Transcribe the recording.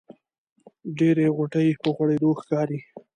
ډېرې غوټۍ په غوړېدو ښکاري.